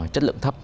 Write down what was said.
chất lượng thấp